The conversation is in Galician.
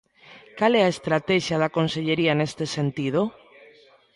¿Cal é a estratexia da Consellería neste sentido?